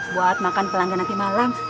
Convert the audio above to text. buat makan pelanggan nanti malam